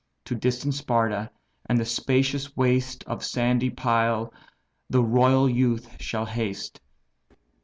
To distant Sparta, and the spacious waste Of Sandy Pyle, the royal youth shall haste.